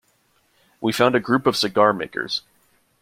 We found a group of cigar makers.